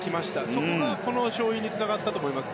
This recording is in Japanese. そこが勝因につながったと思います。